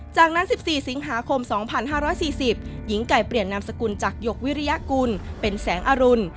จากนั้น๑๔สิงหาคม๒๕๔๐หญิงไก่เปลี่ยนนามสกุลจากหยกวิริยกุลเป็นแสงอรุณ